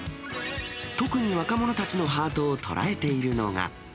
特に若者たちのハートを捉えているのが。